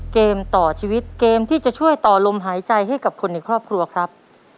เกมต่อชีวิตเกมที่จะช่วยต่อลมหายใจให้กับคนในครอบครัวครับ